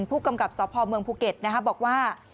ผู้กำกับสพเมืองภูเก็ตบอกว่า